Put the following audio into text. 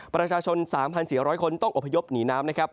ประชาชน๓๔๐๐คนต้องอพยพหนีน้ำนะครับ